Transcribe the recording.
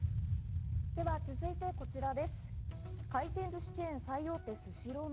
では続いてこちらです。